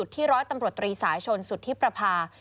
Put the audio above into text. ที่ร้อยตำรวจตรีสายชนสุธิประพา